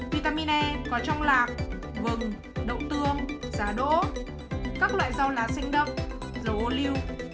vitamin e có trong lạc vừng đậu tương giá đỗ các loại rau lá xanh đậm dầu ô liu